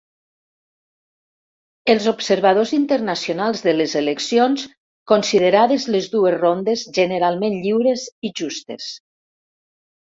Els observadors internacionals de les eleccions considerades les dues rondes generalment lliures i justes.